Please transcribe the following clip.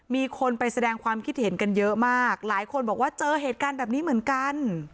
มีคนไปแสดงความคิดเห็นกันเยอะมากหลายคนบอกว่าเจอเหตุการณ์แบบนี้เหมือนกัน